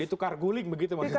ditukar guling begitu maksudnya